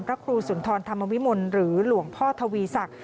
พระครูสุนทรธรรมวิมลหรือหลวงพ่อทวีศักดิ